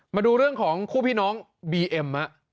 มาดูเรื่องของคู่พี่น้องบีเอ็ม